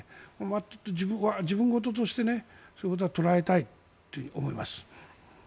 ちょっと自分事としてそういうことを捉えたいと思います。